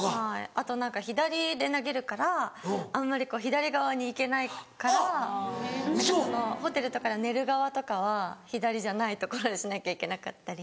あと何か左で投げるからあんまり左側に行けないから何かそのホテルとかで寝る側とかは左じゃない所にしなきゃいけなかったり。